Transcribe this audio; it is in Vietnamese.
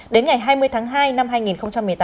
đến ngày hai mươi tháng hai năm hai nghìn một mươi tám